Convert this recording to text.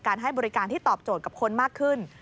ให้บริการที่ตอบโจทย์กับคนมากขึ้น